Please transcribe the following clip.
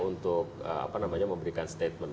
untuk memberikan statement